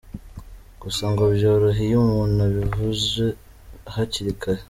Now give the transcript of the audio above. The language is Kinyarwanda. Gusa ngo byoroha iyo umuntu abwivuje hakiri kare.